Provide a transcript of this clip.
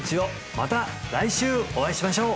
また来週お会いしましょう！